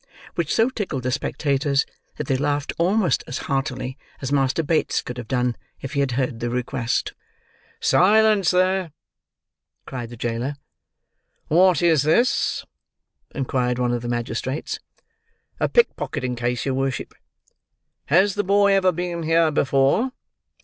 Which so tickled the spectators, that they laughed almost as heartily as Master Bates could have done if he had heard the request. "Silence there!" cried the jailer. "What is this?" inquired one of the magistrates. "A pick pocketing case, your worship." "Has the boy ever been here before?"